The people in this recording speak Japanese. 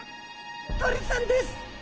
鳥さんです。